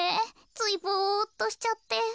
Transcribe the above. ついぼっとしちゃって。